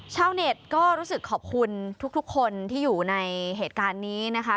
ชาวเน็ตก็รู้สึกขอบคุณทุกคนที่อยู่ในเหตุการณ์นี้นะคะ